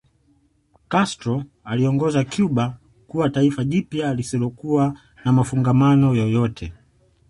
Castro aliiongoza Cuba kuwa taifa jipya lisilokuwa na mafungamano yoyote